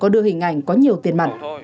có đưa hình ảnh có nhiều tiền mặt